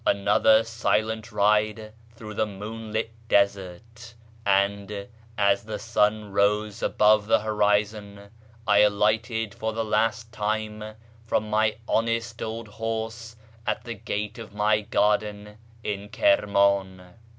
Another silent ride through the moonlit desert, and, as the sun rose above the horizon, I alighted for the last time from my honest old horse at the gate of my garden in Kirman.